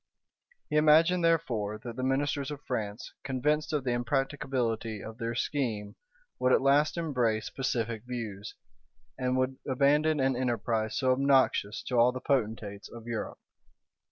He imagined, therefore, that the ministers of France, convinced of the impracticability of their scheme, would at last embrace pacific views, and would abandon an enterprise so obnoxious to all the potentates of Europe.